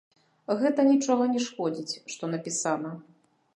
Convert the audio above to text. Гэта нічога не шкодзіць, што напісана.